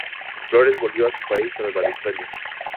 Flores volvió a su país tras la victoria.